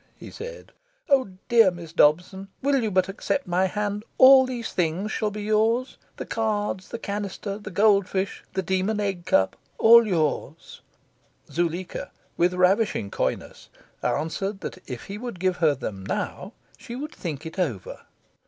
he said. "Oh, dear Miss Dobson, will you but accept my hand, all these things shall be yours the cards, the canister, the goldfish, the demon egg cup all yours!" Zuleika, with ravishing coyness, answered that if he would give her them now, she would "think it over."